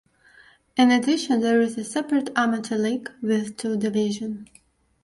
In addition there is a separate amateur league with two divisions.